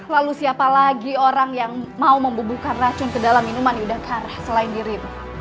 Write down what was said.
lalu siapa lagi orang yang mau membubuhkan racun ke dalam minuman yudhakara selain dirimu